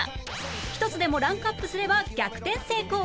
１つでもランクアップすれば逆転成功